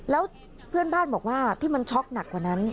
แล้วเพื่อนบ้านบอกว่าที่มันช็อกหนักกว่านั้น